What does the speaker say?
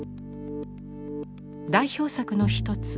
代表作の一つ